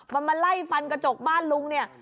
มันมาไล่ฟันกระจกบ้านลุงเนี่ย